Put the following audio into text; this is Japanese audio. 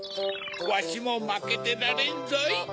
わしもまけてられんぞぃ。